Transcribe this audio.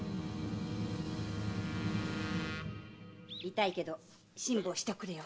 痛いけど辛抱しておくれよ。